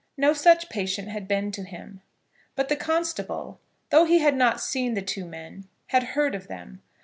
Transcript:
No such patient had been to him. But the constable, though he had not seen the two men, had heard of them.